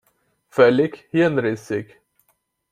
Völlig hirnrissig!